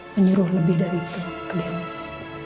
menyeru lebih dari itu ke dennis